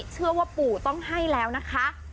เชื่อว่าปู่ต้องให้แล้วนะคะ